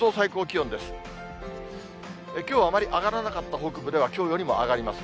きょう、あまり上がらなかった北部では、きょうよりも上がります。